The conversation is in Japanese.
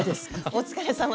お疲れさまです。